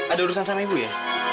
ada urusan sama ibu ya